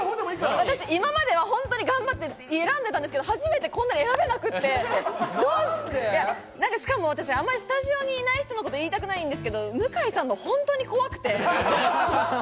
今までは頑張って選んでいたんですけれど初めて選べなくて、しかも、あまりスタジオにいない人のことを言いたくないんですけれど、向井さんが本当に怖くて。